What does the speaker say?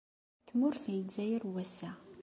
Deg tmurt n Lezzayer n wass-a.